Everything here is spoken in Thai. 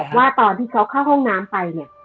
ว่าตอนที่เขาเข้าห้องน้ำไปเนี่ย